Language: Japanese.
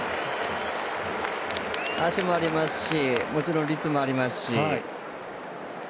足もありますしもちろん率もありますし。